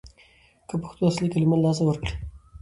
که پښتو اصلي کلمې له لاسه ورکړي